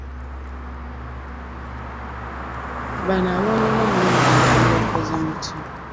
Bano aboonoona omulimu gwammwe mubakoze mutya?